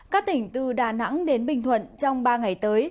các tỉnh từ đà nẵng đến bình thuận trong ba ngày tới